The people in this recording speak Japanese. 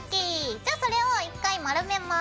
じゃあそれを１回丸めます。